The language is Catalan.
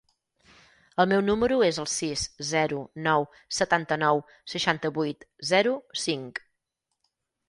El meu número es el sis, zero, nou, setanta-nou, seixanta-vuit, zero, cinc.